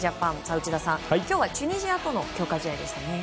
内田さん、今日はチュニジアとの強化試合でしたね。